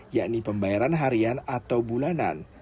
yakni pembayaran harian atau bulanan